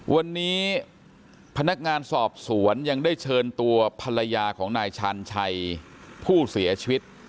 วันนี้พนักงานสอบสวนยังได้เชิญตัวภรรยาของนายชาญชัยผู้เสียชีวิต